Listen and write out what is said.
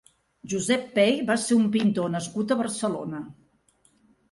Josep Pey va ser un pintor nascut a Barcelona.